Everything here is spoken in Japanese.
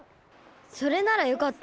それならよかった。